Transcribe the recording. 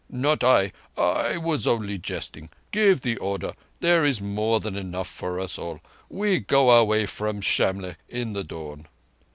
"Not I. I was only jesting. Give the order. There is more than enough for us all. We go our way from Shamlegh in the dawn."